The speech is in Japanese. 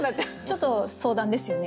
ちょっと相談ですよね。